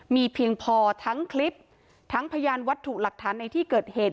มีเพียงพอทั้งคลิปทั้งพยานวัตถุหลักฐานในที่เกิดเหตุ